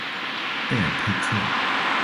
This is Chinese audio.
贝尔佩克。